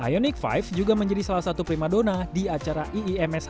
ioniq lima juga menjadi salah satu prima dona di acara iims